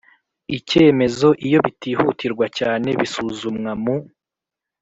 icyemezo Iyo bitihutirwa cyane bisuzumwa mu